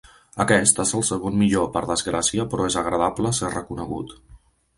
Aquest és el segon millor, per desgràcia, però és agradable ser reconegut.